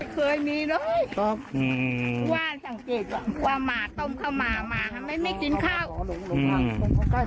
เคยมีด้วยอืมว่าสังเกตว่าว่าหมาต้มเข้าหมาหมาทำไมไม่กินข้าวอืม